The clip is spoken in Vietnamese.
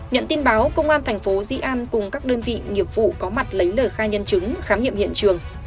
nhận tin báo công an thành phố di an cùng các đơn vị nghiệp vụ có mặt lấy lời khai nhân chứng khám nghiệm hiện trường